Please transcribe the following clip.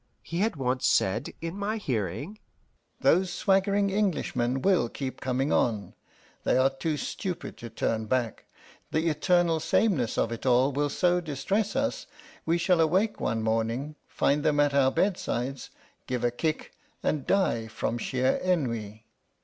He had once said in my hearing: "Those swaggering Englishmen will keep coming on. They are too stupid to turn back. The eternal sameness of it all will so distress us we shall awake one morning, find them at our bedsides, give a kick, and die from sheer ennui.